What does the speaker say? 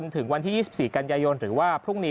ถึงวันที่๒๔กันยายนหรือว่าพรุ่งนี้